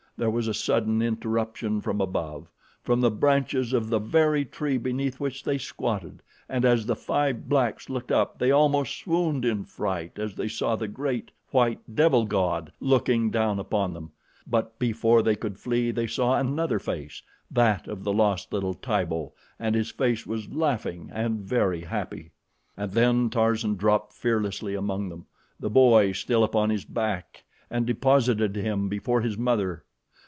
There was a sudden interruption from above, from the branches of the very tree beneath which they squatted, and as the five blacks looked up they almost swooned in fright as they saw the great, white devil god looking down upon them; but before they could flee they saw another face, that of the lost little Tibo, and his face was laughing and very happy. And then Tarzan dropped fearlessly among them, the boy still upon his back, and deposited him before his mother.